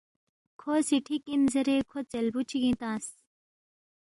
کھو سی ٹھیک اِن زیرے کھو ژیلبُو چِگِنگ تنگس